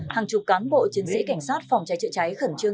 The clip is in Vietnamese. hàng chục cán bộ chiến sĩ cảnh sát phòng cháy chữa cháy khẩn trương